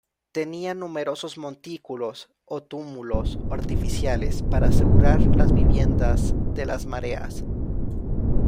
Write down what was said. Tenía numerosos montículos o túmulos artificiales para asegurar las viviendas de las mareas.